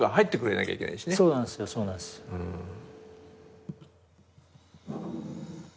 そうなんですよそうなんです。